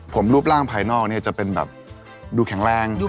ผมรูปร่างภายนอกจะดูแข็งแรง